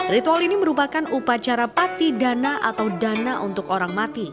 ritual ini merupakan upacara patidana atau dana untuk orang mati